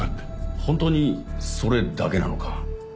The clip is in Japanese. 本当にそれだけなのか？